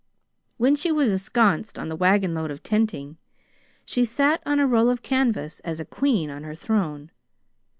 When she was ensconced on the wagonload of tenting, she sat on a roll of canvas as a queen on her throne.